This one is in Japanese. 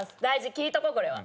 聞いとこうこれは。